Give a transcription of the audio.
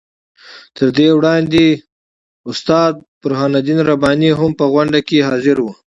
تر دې وړاندې استاد برهان الدین رباني هم په غونډه کې حاضر وو.